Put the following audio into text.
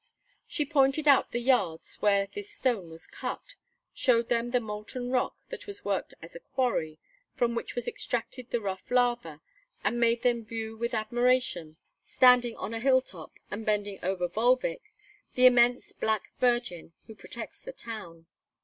She pointed out the yards where this stone was cut, showed them the molten rock that was worked as a quarry, from which was extracted the rough lava, and made them view with admiration, standing on a hilltop and bending over Volvic, the immense black Virgin who protects the town.